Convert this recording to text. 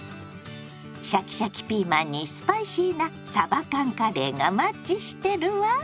シャキシャキピーマンにスパイシーなさば缶カレーがマッチしてるわ。